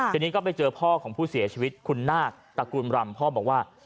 ทีนี้ก็ไปเจอพ่อของผู้เสียชีวิตคุณนาคตระกูลรำพ่อบอกว่า